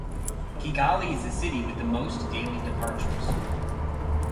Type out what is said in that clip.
Kigali is the city with the most daily departures.